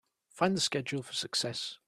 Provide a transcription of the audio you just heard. Find the schedule for Success.